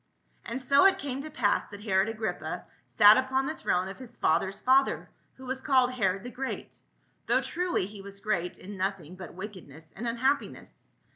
And so it came to pass that Herod Agrippa sat upon the throne of his father's father, who was called Herod the Great, though truly he was great m noth ing but wickedness and unhappiness.